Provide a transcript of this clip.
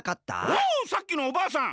おおさっきのおばあさん！